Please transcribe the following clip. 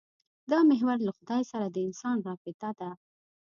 دا محور له خدای سره د انسان رابطه ده.